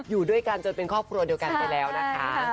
อยู่ด้วยกันจนเป็นครอบครัวเดียวกันไปแล้วนะคะ